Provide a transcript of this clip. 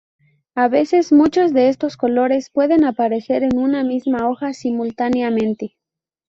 A veces, muchos de estos colores pueden aparecer en una misma hoja simultáneamente.